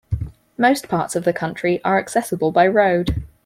Most parts of the country are accessible by road.